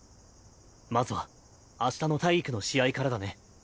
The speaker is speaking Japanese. まずは明日の体育の試合からだね。